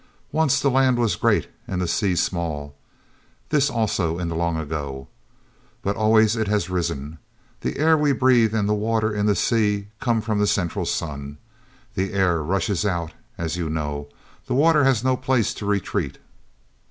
"Once the land was great and the sea small—this also in the long ago—but always it has risen. The air we breathe and the water in the sea come from the central sun. The air rushes out, as you know; the water has no place to retreat."